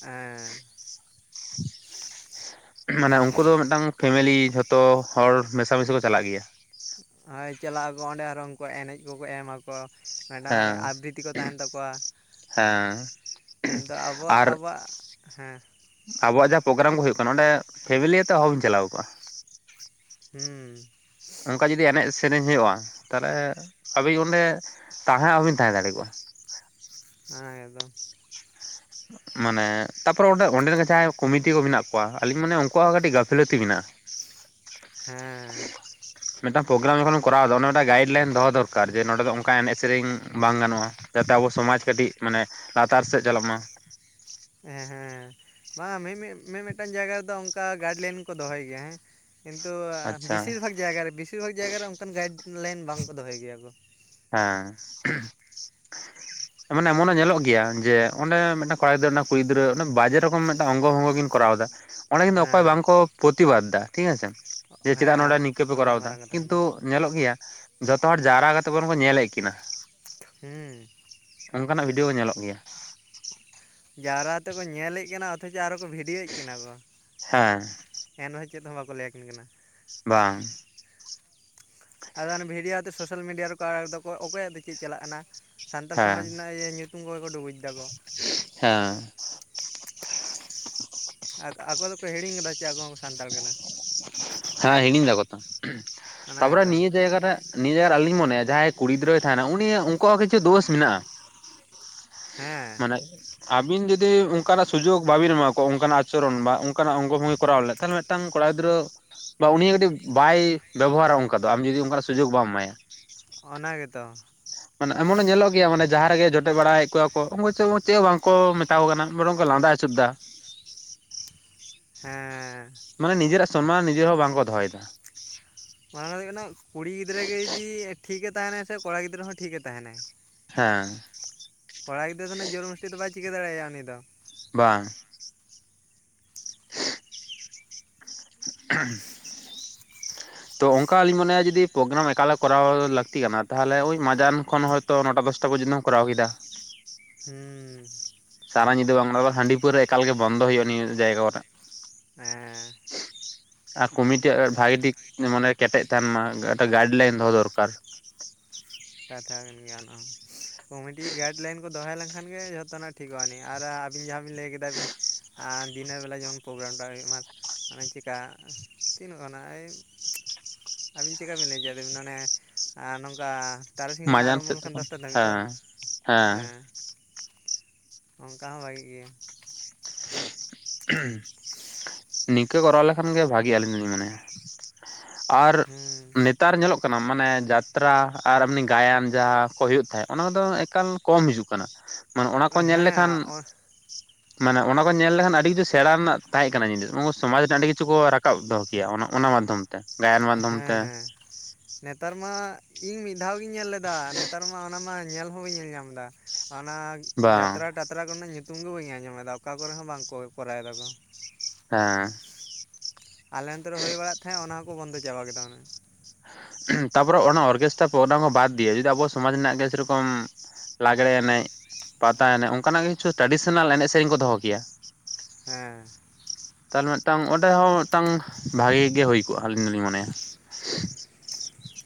ᱦᱮᱸ, *inaudible* ᱢᱟᱱᱮ ᱩᱱᱠᱩ ᱫᱚ ᱢᱤᱫᱴᱟᱝ ᱯᱷᱮᱢᱮᱞᱤ ᱡᱷᱚᱛᱚ ᱦᱚᱲ ᱢᱮᱥᱟᱢᱤᱥᱤ ᱠᱚ ᱪᱟᱞᱟᱜ ᱜᱮᱭᱟ᱾ ᱦᱳᱭ ᱪᱟᱞᱟᱜ ᱟᱠᱚ ᱚᱸᱰᱮ ᱟᱨᱚ ᱩᱝᱠᱩ ᱮᱱᱮᱡ ᱠᱚᱠᱚ ᱮᱢ ᱟᱠᱚ᱾ ᱢᱮᱴᱟᱝ ᱦᱮᱸ ᱟᱵᱨᱤᱛᱤ ᱠᱚ ᱛᱟᱦᱮᱱ ᱛᱟᱠᱚᱣᱟ᱾ ᱦᱮᱸ ᱠᱤᱱᱛᱩ ᱟᱨ ᱟᱵᱚᱣᱟᱜ-ᱟᱵᱚᱣᱟᱜ ᱦᱮᱸ᱾ ᱟᱵᱚᱣᱟᱜ ᱡᱟᱦᱟᱸ ᱯᱳᱜᱨᱟᱢ ᱠᱚ ᱦᱩᱭᱩᱜ ᱠᱟᱱᱟ ᱚᱸᱰᱮ ᱯᱷᱮᱢᱮᱞᱤ ᱟᱛᱮ ᱚᱦᱚ ᱵᱮᱱ ᱪᱟᱞᱟᱣ ᱠᱚᱜᱼᱟ᱾ ᱦᱩᱸ ᱚᱝᱠᱟ ᱡᱩᱫᱤ ᱮᱱᱮᱡ ᱥᱮᱨᱮᱧ ᱦᱩᱭᱩᱜᱼᱟ ᱛᱟᱞᱮ ᱟᱵᱤᱱ ᱚᱸᱰᱮ ᱛᱟᱦᱮᱸ ᱟᱵᱮᱱ ᱛᱟᱦᱮᱸ ᱫᱟᱲᱮ ᱠᱚᱜᱼᱟ᱾ ᱦᱮᱸ ᱟᱫᱚ ᱢᱟᱱᱮ ᱛᱟᱯᱚᱨᱮᱸ ᱚᱸᱰᱮ ᱚᱸᱰᱮᱱ ᱠᱚ ᱡᱟᱦᱟᱸᱭ ᱠᱚᱢᱤᱴᱤ ᱠᱚ ᱢᱮᱱᱟᱜ ᱠᱚᱣᱟ ᱟᱞᱤᱧ ᱢᱟᱱᱮ ᱩᱝᱠᱩᱣᱟᱜ ᱠᱟᱹᱴᱤᱡ ᱜᱟ ᱯᱷᱤᱞᱟᱹᱛᱤ ᱢᱮᱱᱟᱜᱼᱟ, ᱦᱮᱸ ᱢᱤᱫᱴᱟᱝ ᱯᱳᱜᱨᱟᱢ ᱡᱚᱠᱷᱚᱱ ᱠᱚᱨᱟᱣᱫᱟ ᱚᱱᱟ ᱢᱤᱫᱴᱟᱝ ᱜᱟᱭᱤᱰ ᱞᱟᱭᱤᱱ ᱫᱚᱦᱚ ᱫᱚᱨᱠᱟᱨ ᱡᱮ ᱱᱚᱸᱰᱮ ᱫᱚ ᱚᱝ ᱠᱟ ᱮᱱᱮᱡ ᱥᱮᱨᱮᱧ ᱵᱟᱝ ᱜᱟᱱᱚᱜᱼᱟ, ᱡᱟᱛᱮ ᱟᱵᱚ ᱥᱚᱢᱟᱡ ᱠᱟᱹᱴᱤᱡ ᱢᱟᱱᱮ ᱞᱟᱛᱟᱨ ᱥᱮᱜ ᱪᱟᱞᱟᱜ ᱢᱟ᱾ *inaudible* ᱦᱮᱸ ᱦᱮᱸ ᱵᱟᱝᱟ ᱢᱤᱢᱤᱜ ᱢᱤ-ᱢᱤᱫᱴᱟᱝ ᱡᱟᱭᱜᱟ ᱨᱮᱫᱚ ᱚᱝᱠᱟ ᱜᱟᱭᱤᱰ ᱞᱟᱭᱤᱱ ᱠᱚ ᱫᱚᱦᱚᱭ ᱜᱮᱭᱟ ᱦᱮᱸ᱾ ᱠᱤᱱᱛᱩ ᱟᱪᱪᱷᱟ ᱵᱮᱥᱤᱨ ᱵᱷᱟᱜᱽ ᱡᱟᱭᱜᱟ ᱨᱮ ᱵᱮᱥᱤᱨ ᱵᱷᱟᱜ ᱡᱟᱭᱜᱟ ᱨᱮ ᱚᱝᱠᱟᱱ ᱜᱟᱭᱤᱰ ᱞᱟᱭᱤᱱ ᱵᱟᱝ ᱠᱚ ᱫᱚᱦᱚᱭ ᱜᱮᱭᱟ ᱠᱚ᱾ ᱦᱮᱸ ᱮᱢᱚᱱ ᱮᱢᱚᱱᱮ ᱧᱮᱞᱚᱜ ᱜᱮᱭᱟ ᱡᱮ ᱚᱸᱰᱮ ᱢᱤᱫᱴᱟᱝ ᱠᱚᱲᱟᱜᱤᱫᱽᱨᱟᱹ *inaudible* ᱠᱩᱲᱤ ᱜᱤᱫᱽᱨᱟᱹ ᱵᱟᱡᱮ ᱨᱚᱠᱚᱢ ᱢᱤᱫᱴᱟᱝ ᱚᱝᱜᱚ ᱵᱚᱝᱜᱚ ᱠᱤᱱ ᱠᱚᱨᱟᱣᱫᱟ ᱚᱸᱰᱮ ᱠᱤᱱᱛᱩ ᱚᱠᱚᱭ ᱦᱮᱸ ᱵᱟᱝᱠᱚ ᱯᱚᱛᱤᱵᱟᱫᱽ ᱫᱟ ᱴᱷᱤᱠ ᱟᱪᱷᱮ᱾ ᱡᱮ ᱪᱮᱫᱟᱜ ᱱᱚᱸᱰᱮ ᱦᱮᱸ ᱱᱤᱝᱤᱠᱟᱹᱯᱮ ᱚᱱᱟ ᱦᱚᱸ ᱠᱚᱨᱟᱣᱫᱟ ᱢᱟᱨᱟᱝ ᱠᱟᱛᱷᱟ ᱠᱟᱱᱟ ᱠᱤᱱᱛᱩ ᱧᱮᱞᱚᱜ ᱜᱮᱭᱟ ᱡᱷᱚᱛᱚ ᱦᱚᱲ ᱡᱟᱣᱨᱟ ᱠᱟᱛᱮᱜ ᱵᱚᱨᱚᱝ ᱠᱚ ᱧᱮᱞᱮᱜ ᱠᱤᱱᱟ᱾ ᱦᱩᱸ ᱚᱝᱠᱟᱱᱟᱜ ᱵᱷᱤᱰᱭᱳ ᱦᱚᱸ ᱧᱮᱞᱚᱜ ᱜᱮᱭᱟ᱾ ᱡᱟᱣᱨᱟ ᱟᱛᱮ ᱠᱚ ᱧᱮᱞᱮᱜ ᱠᱤᱱᱟ ᱚᱛᱷᱚᱪᱚ ᱟᱨᱦᱚᱸ ᱠᱚ ᱵᱷᱤᱰᱭᱳᱭᱮᱜ ᱠᱤᱱᱟ ᱠᱚ᱾ ᱦᱮᱸ ᱮᱱ ᱨᱮᱦᱚᱸ ᱪᱮᱫ ᱦᱚᱸ ᱵᱟᱠᱚ ᱞᱟᱹᱭ ᱟᱹᱠᱤᱱ ᱠᱟᱱᱟ᱾ ᱵᱟᱝ᱾ ᱟᱫᱚ ᱚᱱᱮ ᱵᱷᱤᱰᱭᱳ ᱟᱛᱮ ᱥᱳᱥᱟᱞ ᱢᱤᱰᱤᱭᱟ ᱨᱮᱠᱚ ᱟᱲᱟᱜ ᱫᱚᱠᱚ ᱚᱠᱚᱭᱟᱜ ᱫᱚ ᱪᱮᱜ ᱪᱟᱞᱟᱜ ᱠᱟᱱᱟ᱾ ᱥᱟᱱᱛᱟᱞ ᱥᱚᱢᱟᱡᱽ ᱦᱮᱸ ᱱᱟᱜ ᱤᱭᱟᱹ ᱧᱩᱛᱩᱢ ᱠᱚ ᱜᱮᱠᱚ ᱰᱩᱵᱩᱡ ᱫᱟᱠᱚ᱾ ᱦᱮᱸ ᱟᱠ ᱟᱠᱚ ᱫᱚᱠᱚ ᱦᱤᱲᱤᱧ ᱠᱟᱫᱟ ᱪᱮ ᱟᱠᱚ ᱦᱚᱸ ᱠᱚ ᱥᱟᱱᱛᱟᱞ ᱠᱟᱱᱟ᱾ ᱦᱮᱸ ᱦᱤᱲᱤᱧ ᱫᱟ ᱠᱚ ᱛᱚ, ᱚᱱᱟ ᱛᱟᱯᱚᱨᱮ ᱜᱮᱛᱚ ᱱᱤᱭᱟᱹ ᱡᱟᱭᱜᱟ ᱨᱮ ᱱᱤᱭᱟᱹ ᱡᱟᱨ ᱟᱞᱤᱧ ᱢᱚᱱᱮᱭᱟ ᱡᱟᱦᱟᱸᱭ ᱠᱩᱲᱤ ᱜᱤᱫᱽᱨᱟᱹᱭ ᱛᱟᱦᱮᱱᱟ ᱩᱱᱤ ᱩᱝᱠᱩᱣᱟᱜ ᱦᱚᱸ ᱠᱤᱪᱷᱩ ᱫᱳᱥ ᱢᱮᱱᱟᱜᱼᱟ᱾ ᱦᱮᱸ ᱢᱟᱱᱮ ᱟᱹᱵᱤᱱ ᱡᱩᱫᱤ ᱚᱝᱠᱟᱱᱟᱜ ᱥᱩᱡᱳᱜᱽ ᱵᱟᱵᱤᱱ ᱮᱢᱟ ᱠᱚᱣᱟ ᱚᱝᱠᱟᱱᱟᱜ ᱟᱪᱚᱨᱚᱱ ᱵᱟᱝ ᱚᱱᱠᱟᱱᱟᱜ ᱚᱝᱜᱚ ᱵᱚᱝᱜᱮ ᱠᱚᱨᱟᱣ *unintelligible* ᱴᱟᱝ ᱠᱚᱲᱟ ᱜᱤᱫᱽᱨᱟᱹ ᱵᱟ ᱩᱱᱤ ᱠᱟᱹᱴᱤᱡ ᱵᱟᱭ ᱵᱮᱵᱚᱦᱟᱨᱟ ᱚᱝᱠᱟ ᱫᱚ ᱟᱢ ᱡᱩᱫᱤ ᱚᱝᱠᱟᱱᱟᱜ ᱥᱩᱡᱳᱜᱽ ᱵᱟᱢ ᱮᱢᱟᱭᱟ᱾ ᱚᱱᱟ ᱜᱮᱛᱚ᱾ ᱢᱟᱱᱮ ᱮᱢᱚᱱᱮ ᱧᱮᱞᱚᱜ ᱜᱮᱭᱟ ᱢᱟᱱᱮ ᱡᱟᱦᱟᱸ ᱨᱮᱜᱮ ᱡᱚᱴᱮᱜ ᱵᱟᱲᱟᱭᱮᱜ ᱠᱚᱣᱟ ᱠᱚ ᱩᱝᱠᱩ ᱪᱮᱜ ᱦᱚᱸ ᱵᱟᱝᱠᱚ ᱢᱮ ᱛᱟᱣ ᱠᱚ ᱠᱟᱱᱟ ᱵᱚᱨᱚᱝ ᱠᱚ ᱞᱟᱸᱫᱟ ᱟᱹᱪᱩᱨᱫᱟ᱾ ᱦᱮᱸ ᱢᱟᱱᱮ ᱱᱤᱡᱮᱨᱟᱜ ᱥᱚᱱᱢᱟᱱ ᱱᱤᱡᱮᱨ ᱦᱚᱸ ᱵᱟᱝᱠᱚ ᱫᱚᱦᱚᱭᱫᱟ᱾ *unintelligible* ᱠᱩᱲᱤ ᱜᱤᱫᱽᱨᱟᱹ ᱜᱮ ᱡᱩᱫᱤ ᱴᱷᱤᱜᱮ ᱛᱟᱦᱮᱱᱟᱭ ᱥᱮ ᱠᱚᱲᱟ ᱜᱤᱫᱽᱨᱟᱹ ᱦᱚᱸ ᱴᱷᱤᱜᱮ ᱛᱟᱦᱮᱱᱟᱭ᱾ ᱦᱮᱸ ᱠᱚᱲᱟ ᱜᱤᱫᱽᱨᱟᱹ ᱫᱚ ᱱᱟᱦᱟᱜ ᱡᱚᱨ ᱢᱳᱥᱛᱤ ᱫᱚ ᱵᱟᱭ ᱪᱤᱠᱟᱹ ᱫᱟᱲᱮᱭᱟ ᱩᱱᱤ ᱫᱚ᱾ ᱵᱟᱝ᱾ *inaudible* *unintelligible* ᱛᱚ ᱚᱝᱠᱟ ᱟᱹᱞᱤᱧ ᱢᱚᱱᱮᱭᱟ ᱡᱩᱫᱤ ᱯᱨᱳᱜᱨᱟᱢ ᱮᱠᱟᱞ ᱠᱚᱨᱟᱣ ᱞᱟᱹᱠᱛᱤ ᱠᱟᱱᱟ ᱛᱟᱦᱚᱞᱮ ᱳᱸᱭ ᱢᱟᱡᱟᱱ ᱠᱷᱚᱱ ᱦᱚᱭ ᱛᱚ ᱱᱚᱴᱟ ᱫᱚᱥ ᱴᱟ ᱯᱚᱨᱡᱚᱱᱚᱛᱚᱢ ᱠᱚᱨᱟᱣ ᱠᱮᱫᱟ᱾ ᱦᱩᱸ, ᱥᱟᱨᱟ ᱧᱤᱫᱟᱹ ᱵᱟᱝ ᱫᱚᱦᱚ ᱦᱟᱺᱰᱤ ᱯᱩᱣᱨᱟᱹ ᱮᱠᱟᱞ ᱜᱮ ᱵᱚᱱᱫᱚ ᱦᱩᱭᱩᱜᱼᱟ ᱱᱤᱭᱟᱹ ᱡᱟᱭᱜᱟ ᱠᱚᱨᱮ᱾ ᱮᱸᱻ ᱟᱨ ᱠᱚᱢᱤᱴᱤᱭᱟᱜ ᱵᱷᱟᱜᱮ ᱴᱷᱤᱠ ᱢᱚᱱᱮ ᱠᱮᱴᱮᱡ ᱛᱟᱦᱮᱸᱱ ᱢᱟ ᱜᱟ ᱜᱟᱭᱤᱰ ᱞᱟᱭᱤᱱ ᱫᱚᱦᱚ ᱫᱚᱨᱠᱟᱨ᱾ ᱠᱟᱛᱷᱟ ᱠᱟᱱ ᱜᱮᱭᱟ ᱚᱱᱟ ᱦᱚᱸ ᱠᱚᱢᱤᱴᱤ ᱜᱟᱭᱤᱰ ᱞᱟᱭᱤᱱ ᱠᱚ ᱫᱚᱦᱚᱭ ᱞᱮᱱᱠᱷᱟᱱ ᱜᱮ ᱡᱷᱚᱛᱚᱱᱟᱜ ᱴᱷᱤᱠᱚ ᱟᱹᱱᱤᱡ ᱟᱨ ᱟᱹᱵᱤᱱ ᱡᱟᱦᱟᱸ ᱵᱤᱱ ᱞᱟᱹᱭ ᱠᱮᱫᱟ ᱵᱤᱱ, ᱟᱨ ᱫᱤᱱᱮ ᱵᱮᱞᱟ ᱡᱮᱢᱚᱱ ᱯᱨᱳᱜᱨᱟᱢ ᱴᱟᱜ ᱦᱳᱭᱳᱜ ᱢᱟ᱾ ᱢᱟᱱᱮ ᱪᱤᱠᱟ ᱛᱤᱱ ᱠᱷᱚᱱᱟᱜ ᱟᱭᱩᱵᱽ, ᱟᱹᱵᱤᱱ ᱪᱤᱠᱟ ᱵᱤᱱ ᱞᱟᱹᱭ ᱠᱮᱭᱟ ᱫᱟᱹᱵᱤᱱ ᱚᱱᱮ ᱟ ᱱᱚᱝᱠᱟ᱾ ᱛᱟᱨᱟᱥᱤᱧ ᱠᱷᱚᱱᱟᱜ ᱢᱟᱡᱟᱱ ᱟᱨᱟᱢᱵᱷᱚ ᱥᱮᱫ ᱞᱮᱠᱷᱟᱱ ᱛᱚᱠᱷᱚᱱ ᱫᱚᱥᱴᱟ ᱫᱷᱟᱹᱵᱤᱡ ᱛᱚ ᱦᱮᱸ ᱦᱮᱸ᱾ ᱚᱝᱠᱟ ᱦᱚᱸ ᱵᱷᱟᱜᱮ ᱜᱮᱭᱟ᱾ ᱱᱤᱝᱠᱟᱹ ᱠᱚᱨᱟᱣ ᱞᱮᱠᱷᱟᱱ ᱜᱮ ᱵᱷᱟᱜᱤ-ᱟ ᱟᱹᱞᱤᱧ ᱫᱚᱞᱤᱧ ᱢᱚᱱᱮᱭᱟ᱾ ᱟᱨ ᱦᱩᱸ ᱱᱮᱛᱟᱨ ᱧᱮᱞᱚᱜ ᱠᱟᱱᱟ ᱢᱟᱱᱮ ᱡᱟᱛᱨᱟ ᱟᱨ ᱮᱢᱱᱤ ᱜᱟᱭᱟᱱ ᱡᱟᱦᱟᱸ ᱠᱚ ᱦᱩᱭᱩᱜ ᱛᱟᱦᱮᱸ ᱚᱱᱟ ᱠᱚᱫᱚ ᱮᱠᱟᱞ ᱠᱚᱢ ᱦᱤᱡᱩᱜ ᱠᱟᱱᱟ᱾ ᱢᱟᱱᱮ ᱚᱱᱟ ᱠᱚ ᱧᱮᱞ ᱞᱮᱠᱷᱟᱱ, ᱦᱮᱸ ᱢᱟᱱᱮ ᱚᱱᱟ ᱠᱚ ᱧᱮᱞ ᱞᱮᱠᱷᱟᱱ ᱟᱹᱰᱤ ᱠᱤᱪᱷᱩ ᱥᱮᱬᱟ ᱨᱮᱱᱟᱜ ᱛᱟᱦᱮᱸ ᱠᱟᱱᱟ ᱧᱤᱫᱟᱹ ᱫᱚ ᱚᱢᱚ ᱥᱚᱢᱟᱡᱽ ᱨᱮ ᱟᱹᱰᱤ ᱠᱤᱪᱷᱩ ᱠᱚ ᱨᱟᱠᱟᱵ ᱫᱚᱦᱚ ᱠᱮᱭᱟ ᱚᱱᱟ ᱚᱱᱟ ᱢᱟᱫᱽᱫᱷᱚᱢ *unintelligible* ᱦᱮᱸ ᱛᱮ ᱦᱮᱸ ᱱᱮᱛᱟᱨ ᱢᱟ ᱤᱸᱜ ᱢᱤᱫ ᱫᱷᱟᱣ ᱜᱤᱧ ᱧᱮᱞ ᱞᱮᱫᱟ᱾ ᱱᱮᱛᱟᱨ ᱢᱟ ᱚᱱᱟ ᱢᱟ ᱧᱮᱞ ᱦᱚᱸ ᱵᱟᱹᱧ ᱧᱮᱞ ᱧᱟᱢ ᱫᱟ ᱚᱱᱟ ᱵᱟᱝ ᱡᱟᱛᱨᱟ ᱴᱟ ᱛᱟᱨᱟ ᱠᱚᱨᱮᱱᱟᱜ ᱧᱩᱛᱩᱢ ᱜᱮ ᱵᱟᱹᱧ ᱟᱸᱡᱚᱢ ᱮᱫᱟ ᱚᱠᱟ ᱠᱚᱨᱮ ᱦᱚᱸ ᱵᱟᱝᱠᱚ ᱠᱚᱨᱟᱣ ᱮᱫᱟᱠᱚ᱾ ᱦᱮᱸ᱾ ᱟᱞᱮ ᱱᱚᱱᱛᱮ ᱨᱮ ᱦᱳᱭ ᱵᱟᱲᱟᱜ ᱛᱟᱦᱮᱸ ᱚᱱᱟ ᱦᱚᱸᱠᱚ ᱵᱚᱱᱫᱚ ᱪᱟᱵᱟ ᱠᱮᱫᱟ ᱚᱱᱮ᱾ ᱛᱟᱯᱚᱨᱮ ᱚᱱᱟ ᱚᱨᱠᱮᱥᱴᱟ ᱯᱳᱨᱜᱨᱟᱢ ᱠᱚ ᱵᱟᱫᱽ ᱫᱤᱭᱮ ᱡᱩᱫᱮ ᱟᱵᱚ ᱥᱚᱢᱟᱡᱽ ᱨᱮᱱᱟᱜ ᱜᱮ ᱥᱮ ᱨᱚᱠᱚᱢ ᱞᱟᱜᱽᱲᱮ ᱮᱱᱮᱡ, ᱯᱟᱛᱟ ᱮᱱᱮᱡ ᱚᱱᱠᱟᱱᱟᱜ ᱠᱤᱪᱷᱩ ᱴᱨᱟᱰᱤᱥᱚᱱᱟᱞ ᱮᱱᱮᱡ ᱥᱮᱨᱤᱧ ᱠᱚ ᱫᱚᱦᱚ ᱠᱮᱭᱟ᱾ ᱦᱮᱸ᱾ ᱛᱟᱦᱞᱮ ᱢᱤᱫᱽᱴᱟᱝ ᱚᱸᱰᱮ ᱦᱚᱸ ᱢᱤᱫᱽᱴᱟᱝ ᱵᱷᱟᱜᱮ ᱜᱮ ᱦᱳᱭ ᱠᱚᱜᱼᱟ ᱟᱹᱞᱤᱧ ᱫᱚᱞᱤᱧ ᱢᱚᱱᱮᱭᱟ᱾ *unintelligible*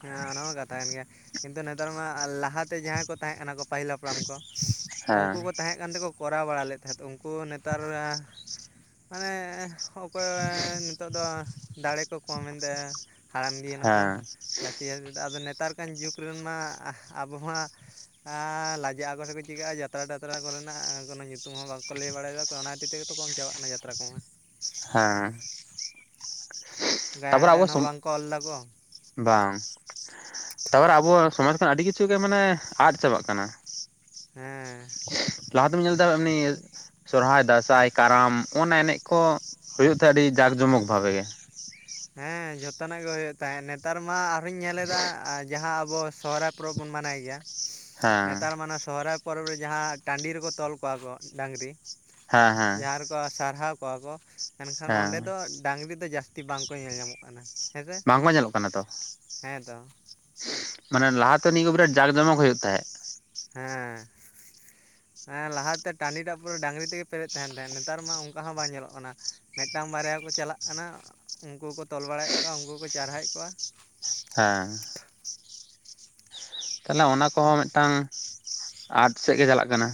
ᱦᱮᱸ ᱚᱱᱟ ᱦᱚᱸ ᱠᱟᱛᱷᱟ ᱠᱟᱱ ᱜᱮᱭᱟ ᱠᱤᱱᱛᱩ ᱱᱮᱛᱟᱨ ᱢᱟ ᱞᱟᱦᱟᱛᱮ ᱡᱟᱦᱟᱸ ᱠᱚ ᱛᱟᱦᱮᱸ ᱠᱟᱱᱟ ᱠᱚ, ᱯᱟᱹᱦᱤᱞ ᱦᱟᱯᱲᱟᱢ ᱠᱚ ᱦᱮᱸ ᱩᱝᱠᱩ ᱠᱚ ᱛᱟᱦᱮᱸ ᱠᱟᱱ ᱛᱮᱠᱚ ᱠᱚᱨᱟᱣ ᱵᱟᱲᱟ ᱞᱮᱫᱽ᱾ ᱦᱮᱴ ᱩᱱᱠᱩ ᱦᱚᱸ ᱱᱮᱛᱟᱨ ᱢᱟᱱᱮ ᱚᱠᱚᱭ ᱱᱤᱛᱚᱜ ᱫᱚ ᱫᱟᱲᱮ ᱠᱚ ᱠᱚᱢᱮᱱ ᱛᱟᱭᱟ ᱦᱟᱲᱟᱢ ᱤᱫᱤᱭᱮ ᱱᱟᱠᱚ᱾ ᱦᱮᱸ ᱡᱟᱹᱛᱤᱭᱚ ᱟᱫᱚ ᱱᱮᱛᱟᱨ ᱠᱟᱱ ᱡᱩᱜᱽ ᱨᱮᱱ ᱢᱟ ᱟᱵᱚ ᱦᱚ ᱦᱟᱸ᱾ ᱟᱻᱞᱟᱡᱟᱜ ᱟᱠᱚ ᱥᱮᱠᱚ ᱪᱤᱠᱟᱹᱜᱼᱟ ᱡᱟᱛᱨᱟ ᱴᱟᱛᱨᱟ ᱠᱚᱨᱮᱱᱟᱜ ᱠᱳᱱᱳ ᱧᱩᱛᱩᱢ ᱦᱚᱸ ᱵᱟᱝᱠᱚ ᱞᱟᱹᱭ ᱵᱟᱲᱟᱭᱮᱫᱟ᱾ ᱚᱱᱟ ᱠᱷᱟᱹᱛᱤᱨ ᱛᱮᱜᱮ ᱛᱚ ᱠᱚᱢ ᱪᱟᱵᱟᱜ ᱠᱟᱱᱟ ᱡᱟᱛᱨᱟ ᱠᱚᱢᱟ᱾ ᱦᱮᱸ᱾ ᱜᱟᱭᱟᱱ ᱛᱟᱯᱚᱨᱮ ᱟᱵᱚ ᱴᱟᱭᱟᱱ ᱦᱚᱸ ᱥᱚᱢ ᱵᱟᱝ ᱠᱚ ᱚᱞ ᱫᱟᱠᱚ᱾ ᱵᱟᱝ, ᱛᱟᱯᱚᱨᱮ ᱟᱵᱚ ᱥᱚᱢᱟᱡᱽ ᱠᱷᱚᱱᱟ ᱟᱹᱰᱤ ᱠᱤᱪᱷᱩ ᱜᱮ ᱢᱟᱱᱮ ᱟᱫᱽ ᱪᱟᱵᱟᱜ ᱠᱟᱱᱟ᱾ ᱦᱮᱸ ᱞᱟᱦᱟ ᱛᱮᱢ ᱧᱮᱞᱫᱟ ᱮᱢᱱᱤ᱾ ᱥᱚᱨᱦᱟᱭ, ᱫᱟᱸᱥᱟᱭ, ᱠᱟᱨᱟᱢ ᱚᱱᱱᱟ ᱮᱱᱮᱡ ᱠᱚ ᱦᱩᱭᱩᱜ ᱛᱮ ᱟᱹᱰᱤ ᱡᱟᱜ ᱡᱚᱢᱚᱠ ᱵᱷᱟᱜᱮ ᱜᱮ᱾ ᱦᱮᱸ ᱡᱚᱛᱚᱱᱟᱜ ᱜᱮ ᱦᱩᱭᱩᱜ ᱛᱟᱦᱮᱸᱫ ᱱᱮᱛᱟᱨ ᱢᱟ ᱟᱨᱦᱚᱸᱧ ᱧᱮᱞᱮᱫᱟ ᱡᱟᱦᱟᱸ ᱟᱵᱚ ᱥᱚᱦᱚᱨᱟᱭ ᱯᱚᱨᱚᱵᱽ ᱵᱚᱱ ᱢᱟᱱᱟᱭ ᱜᱮᱭᱟ᱾ ᱦᱮᱸ ᱱᱮᱛᱟᱨ ᱢᱟᱱᱟ ᱥᱚᱦᱨᱟᱭ ᱯᱚᱨᱚᱵᱽ ᱨᱮ ᱡᱟᱦᱟᱸ ᱴᱟᱺᱰᱤ ᱨᱮᱠᱚ ᱛᱚᱞ ᱠᱚᱣᱟ ᱠᱚ ᱰᱟᱝᱨᱤ ᱦᱮᱸ ᱦᱮᱸ ᱡᱟᱦᱟᱸ ᱠᱚᱣᱟ ᱥᱟᱨᱦᱟᱣ ᱠᱚᱣᱟ ᱠᱚ ᱮᱱᱠᱷᱟᱱ ᱦᱮᱸ ᱚᱸᱰᱮ ᱫᱚ ᱰᱟᱹᱝᱨᱤ ᱫᱚ ᱡᱟᱹᱥᱛᱤ ᱵᱟᱝ ᱠᱚ ᱧᱮᱞ ᱧᱟᱢᱚᱜ ᱠᱟᱱᱟ᱾ ᱦᱮᱸᱥᱮ ᱵᱟᱝᱠᱚ ᱧᱮᱞᱚᱜ ᱠᱟᱱᱟ ᱛᱚ᱾ ᱦᱮᱸ ᱛᱚ ᱢᱟᱱᱮ ᱞᱟᱦᱟᱛᱮ ᱱᱤᱭᱟᱹ *unintelligible* ᱨᱮ ᱡᱟᱠ ᱡᱚᱢᱚᱠ ᱦᱳᱭᱳᱜ ᱛᱟᱦᱮᱸᱜ᱾ ᱦᱮᱸ *unintelligible* ᱦᱮᱸ ᱞᱟᱦᱟᱛᱮ ᱴᱟᱺᱰᱤ ᱴᱟᱜ ᱯᱩᱨᱟᱹ ᱰᱟᱝᱨᱤ ᱛᱮᱜᱮ ᱯᱮᱨᱮᱫ ᱛᱟᱦᱮᱱ ᱛᱟᱦᱮᱸᱫ, ᱱᱮᱛᱟᱨ ᱢᱟ ᱚᱝᱠᱟ ᱦᱚᱸ ᱵᱟᱝ ᱧᱮᱞᱚᱜ ᱠᱟᱱᱟ᱾ ᱢᱮᱜᱴᱟᱝ ᱵᱟᱨᱭᱟ ᱠᱚ ᱪᱟᱞᱟᱜ ᱠᱟᱱᱟ, ᱩᱱᱠᱩ ᱠᱚ ᱛᱚᱞ ᱵᱟᱲᱟᱭᱮᱫ ᱠᱚᱣᱟ, ᱩᱱᱠᱩ ᱠᱚ ᱪᱟᱨᱦᱟᱭᱮᱜ ᱠᱚᱣᱟ᱾ ᱦᱮᱸ᱾ ᱛᱟᱦᱚᱞᱮ ᱚᱱᱟ ᱠᱚᱦᱚᱸ ᱢᱮᱫᱴᱟᱝ ᱟᱫ ᱥᱮᱫ ᱜᱮ ᱪᱟᱞᱟᱜ ᱠᱟᱱᱟ᱾